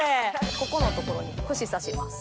ここの所に串刺します。